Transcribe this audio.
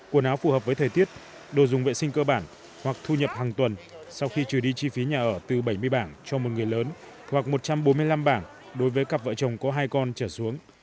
quần áo phù hợp với thời tiết đồ dùng vệ sinh cơ bản hoặc thu nhập hàng tuần sau khi trừ đi chi phí nhà ở từ bảy mươi bảng cho một người lớn hoặc một trăm bốn mươi năm bảng đối với cặp vợ chồng có hai con trở xuống